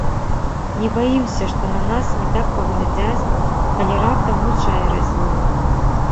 Не баімся, што на нас не так паглядзяць, калі, раптам, мы чай разлілі.